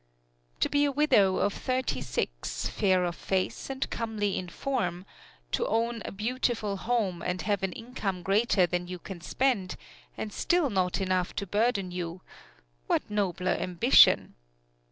To be a widow of thirty six, fair of face and comely in form, to own a beautiful home and have an income greater than you can spend, and still not enough to burden you what nobler ambition!